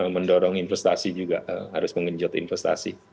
mendorong investasi juga harus mengejut investasi